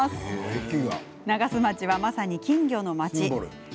長洲町は、まさに金魚の町です。